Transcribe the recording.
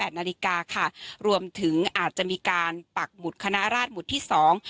นาฬิกาค่ะรวมถึงอาจจะมีการปักหมุดคณะราชหมุดที่สอง